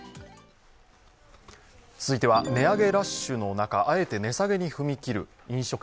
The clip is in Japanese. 続いては値上げラッシュの中、あえて値下げに踏み切る